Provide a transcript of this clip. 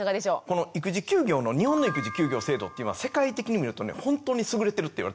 この育児休業の日本の育児休業制度って世界的に見るとほんとに優れてるっていわれてるんです。